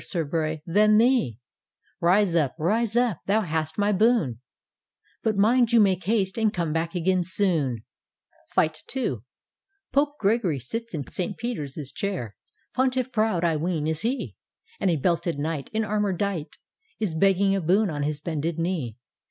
Sir Bray, than theel Rise up, rise up, thou hast my boon; But mind you make haste, and come back again soon I" Pope Gregory sits in St. Peter's chair. Pontiff proud, I ween, is he, And a belted Knight, In armour dight, Is begging a boon on his bended knee.